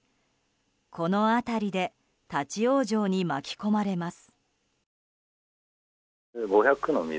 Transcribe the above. この辺りで立ち往生に巻き込まれます。